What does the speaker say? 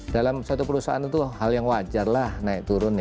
dalam suatu perusahaan itu hal yang wajar lah naik turun